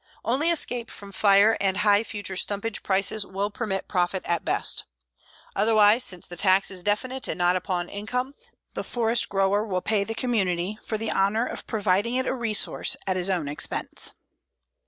Only escape from fire and high future stumpage prices will permit profit at best. Otherwise, since the tax is definite and not upon income, the forest grower will pay the community for the honor of providing it a resource at his own expense.